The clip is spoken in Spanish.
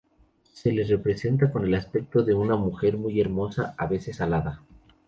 Se le representa con el aspecto de una mujer muy hermosa, a veces alada.